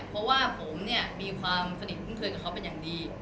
เพราะว่าผมเนี่ยมีความสนิทคุ้นเคยกับเขาเป็นอย่างดี